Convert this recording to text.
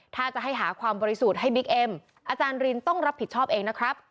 ถ้าจะให้หาความบริสุทธิ์ให้บิ๊กเอ็มอาจารย์รินต้องรับผิดชอบเองนะครับ